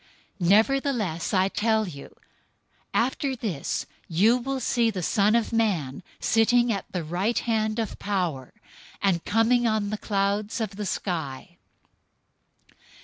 Nevertheless, I tell you, after this you will see the Son of Man sitting at the right hand of Power, and coming on the clouds of the sky."